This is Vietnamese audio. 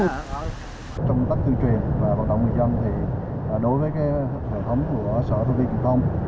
trong tất thương truyền và bộ động người dân thì đối với hệ thống của sở thông tin truyền thông